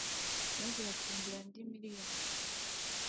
maze batwongera andi miliyoni